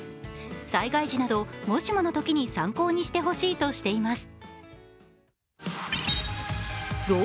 災害時など、もしものときに参考にしてほしいとしています。